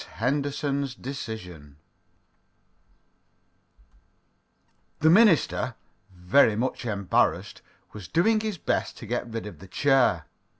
HENDERSON'S DECISION The minister, very much embarrassed, was doing his best to get rid of the chair.